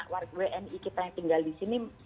warga wni kita yang tinggal di sini